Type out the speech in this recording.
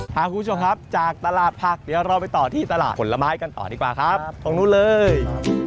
พาคุณผู้ชมครับจากตลาดผักเดี๋ยวเราไปต่อที่ตลาดผลไม้กันต่อดีกว่าครับตรงนู้นเลย